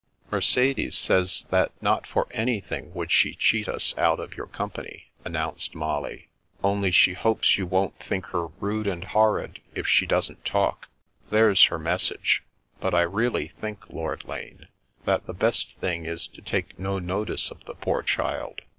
" Mercedes says that not for anything would she cheat us out of your company," announced Molly. " Only she hopes you won't think her rude and hor rid if she doesn't talk. There's her message; but I The Strange Mushroom 327 really think, Lord Lane, that the best thing is to take no notice of the poor child.